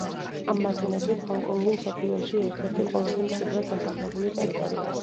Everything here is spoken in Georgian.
ამ მაჩვენებლით ჰონგ-კონგი მსოფლიოში ერთ-ერთი ყველაზე მჭიდროდ დასახლებული ტერიტორიაა.